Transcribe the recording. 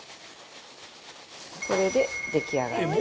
これで出来上がり。